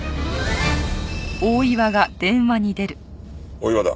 大岩だ。